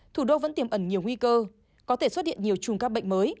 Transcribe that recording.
thủ đô vẫn tiềm ẩn nhiều nguy cơ có thể xuất hiện nhiều chùm các bệnh mới